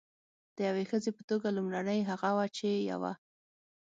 د یوې ښځې په توګه لومړنۍ هغه وه چې یوه.